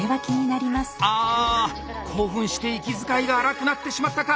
ああ興奮して息遣いが荒くなってしまったか？